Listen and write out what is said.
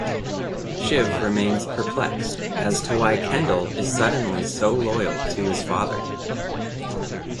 Shiv remains perplexed as to why Kendall is suddenly so loyal to his father.